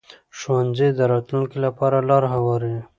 ښوونځی د راتلونکي لپاره لار هواروي